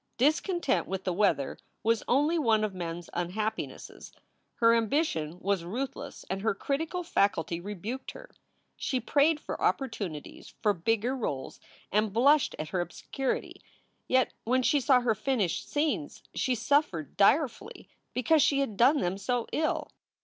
Discontent with the weather was only one of Mem s unhappinesses. Her ambition was ruthless and her critical faculty rebuked her. She prayed for opportunities for bigger roles and blushed at her obscurity; yet when she saw her finished scenes she suffered direfully because she had done them so ill.